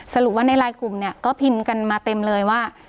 สรุปว่าในลายกลุ่มเนี่ยก็พิมพ์กันมาเต็มเลยว่า